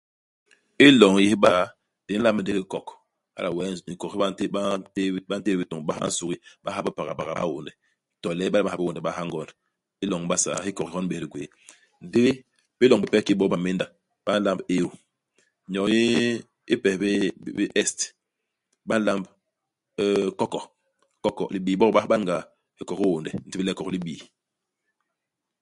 I loñ yés Basaa, di nlamb ndégél hikok, hala wee hikok hi ba nté ba ntét bitôñ ba ha i nsugi. Ba ha bipaga, ba ha hiônde. To le iba le ba nha bé hiônde, ba ha ngond. I loñ i Basaa, ihikok hi hyon bés di gwéé. Ndi i biloñ bipe kiki bo Bamenda, ba nlamb Eru. Nyoo i i pes bi bi Est, ba nlamb euh koko, koko. Libii bok ba ban-ga hikok hi hiônde, di nsébél le hikok hi Libii.